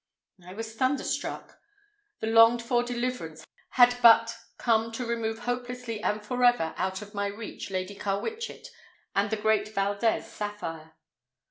I was thunderstruck. The longed for deliverance had but come to remove hopelessly and forever out of my reach Lady Carwitchet and the great Valdez sapphire.